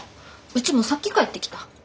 うちもさっき帰ってきた。